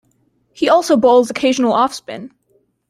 He also bowls occasional offspin.